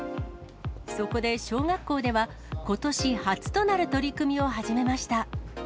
そこで小学校では、ことし初となる取り組みを始めました。